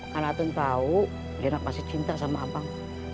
karena atun tahu jenat masih cinta sama abang